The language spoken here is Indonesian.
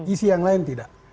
isi yang lain tidak